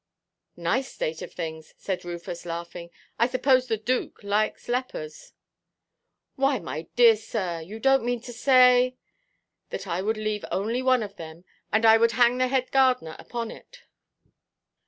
"Nice state of things," said Rufus, laughing. "I suppose the Dook likes lepers?" "Why, my dear sir, you donʼt mean to say——" "That I would leave only one of them, and I would hang the head–gardener upon it."